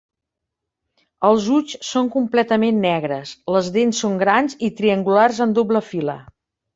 Els ulls són completament negres, les dents són grans i triangulars en doble fila.